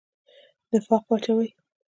نفاق واچوي.